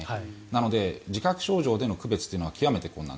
なので、自覚症状での区別というのが極めて困難。